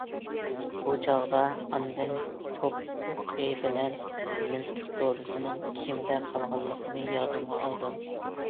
بۇ چاغدا ئاندىن توپ ئوقى بىلەن مىلتىق دورىسىنىڭ كېمىدە قالغانلىقىنى يادىمغا ئالدىم.